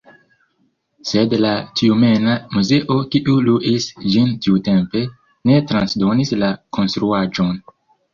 Sed la Tjumena muzeo, kiu luis ĝin tiutempe, ne transdonis la konstruaĵon.